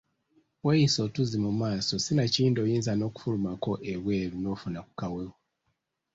Weeyise otuzzi mu maaso sinakindi oyinza n’okufulumako ebweru n’ofuna ku kawewo.